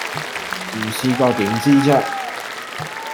唔試過點知啫